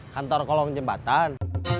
kantor kolong jembatan